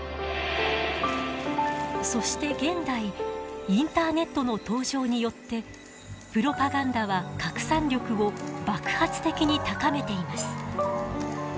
そして現代インターネットの登場によってプロパガンダは拡散力を爆発的に高めています。